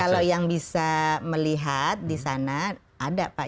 kalau yang bisa melihat di sana ada pak